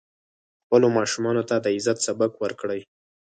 خپلو ماشومانو ته د عزت سبق ورکړئ.